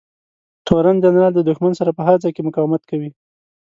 تورن جنرال د دښمن سره په هر ځای کې مقاومت کوي.